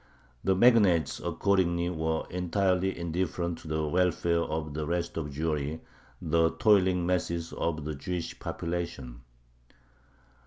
The magnates accordingly were entirely indifferent to the welfare of the rest of Jewry, the toiling masses of the Jewish population.